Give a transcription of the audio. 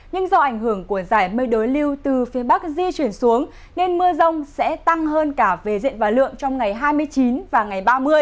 nhưng do ảnh hưởng của giải mây đối lưu từ phía bắc di chuyển xuống nên mưa rông sẽ tăng hơn cả về diện và lượng trong ngày hai mươi chín và ngày ba mươi